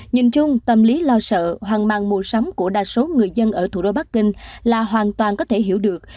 nhìn chung tâm lý lo sợ hoang mang mua sắm của đa số người dân ở thủ đô bắc kinh là hoàn toàn có thể hiểu được